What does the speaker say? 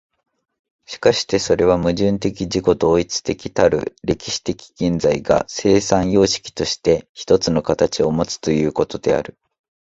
しかしてそれは矛盾的自己同一たる歴史的現在が、生産様式として一つの形をもつということである。